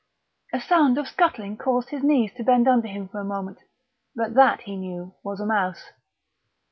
A sound of scuttling caused his knees to bend under him for a moment; but that, he knew, was a mouse.